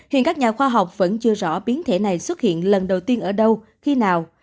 hiện các nhà khoa học vẫn chưa rõ biến thể này xuất hiện lần đầu tiên ở đâu khi nào